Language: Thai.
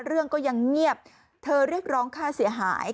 เรื่องก็ยังเงียบเธอเรียกร้องค่าเสียหาย